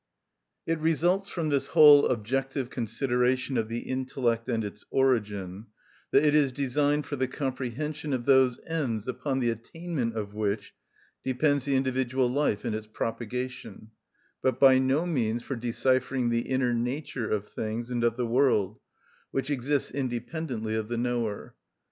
It results from this whole objective consideration of the intellect and its origin, that it is designed for the comprehension of those ends upon the attainment of which depends the individual life and its propagation, but by no means for deciphering the inner nature of things and of the world, which exists independently of the knower.